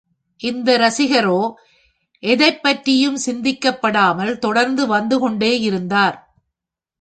அந்த இரசிகரோ எதைப் பற்றியும் சிந்தனைப்படாமல் தொடர்ந்து வந்து கொண்டேயிருத்தார்.